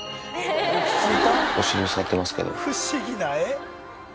お尻を触ってますけど。